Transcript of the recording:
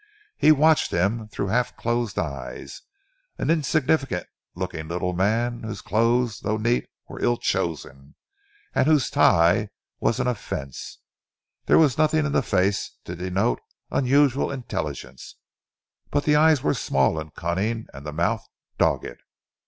He watched him through half closed eyes an insignificant looking little man whose clothes, though neat, were ill chosen, and whose tie was an offense. There was nothing in the face to denote unusual intelligence, but the eyes were small and cunning and the mouth dogged.